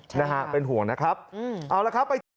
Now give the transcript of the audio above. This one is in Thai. ใช่ค่ะเป็นห่วงนะครับเอาละครับไป